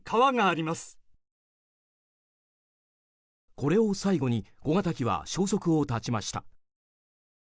これを最後に小型機は消息を絶ちました。